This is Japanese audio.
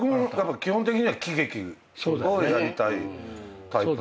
基本的には喜劇をやりたいタイプなんで。